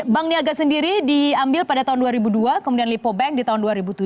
bank niaga sendiri diambil pada tahun dua ribu dua kemudian lipo bank di tahun dua ribu tujuh